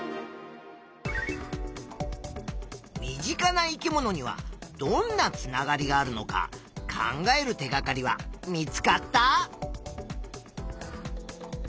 身近な生き物にはどんなつながりがあるのか考える手がかりは見つかった？